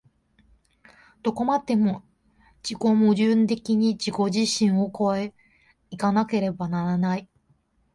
どこまでも自己矛盾的に自己自身を越え行かなければならない。